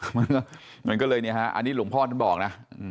เหมือนก็เลยเนี่ยฮะอันนี้หลวงพ่อจะบอกนะ